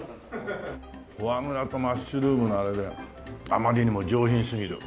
フォアグラとマッシュルームのあれであまりにも上品すぎる。